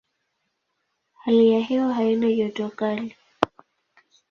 Hali ya hewa haina joto kali.